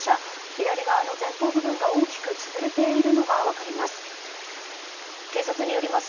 左側の前方部分が大きく潰れているのが分かります。